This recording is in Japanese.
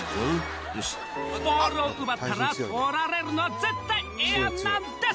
ボールを奪ったら取られるのは絶対嫌なんです。